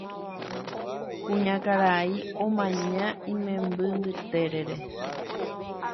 Kuñakarai omaña imemby mbyterére